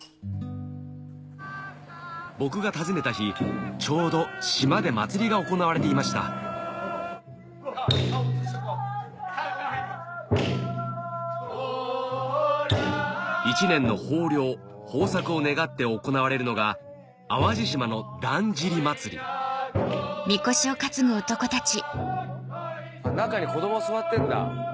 僕が訪ねた日ちょうど島で祭りが行われていました一年の豊漁豊作を願って行われるのが中に子どもが座ってるんだ。